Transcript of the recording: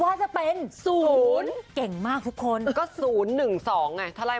ตาดีมากคุณกันได้ไหม